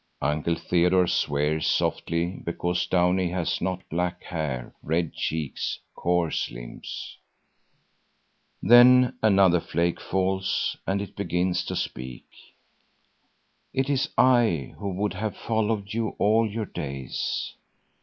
Uncle Theodore swears softly because Downie has not black hair, red cheeks, coarse limbs. Then another flake falls and it begins to speak: "It is I who would have followed you all your days.